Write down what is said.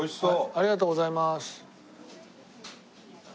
ありがとうございます。